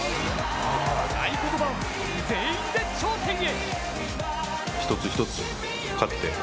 合言葉は、全員で頂点へ。